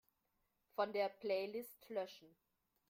Von der Playlist löschen.